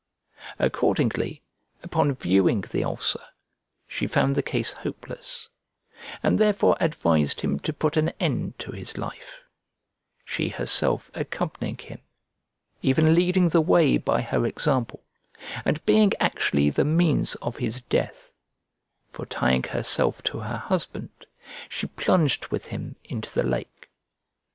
Accordingly, upon viewing the ulcer, she found the case hopeless, and therefore advised him to put an end to his life: she herself accompanying him, even leading the way by her example, and being actually the means of his death; for tying herself to her husband, she plunged with him into the lake."